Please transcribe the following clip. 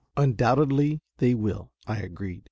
"Undoubtedly they will," I agreed.